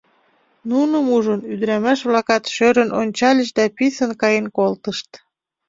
Нуным ужын, ӱдырамаш-влакат шӧрын ончальыч да писын каен колтышт.